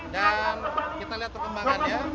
dan kita lihat perkembangannya